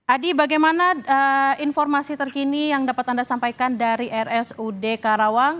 adi bagaimana informasi terkini yang dapat anda sampaikan dari rsud karawang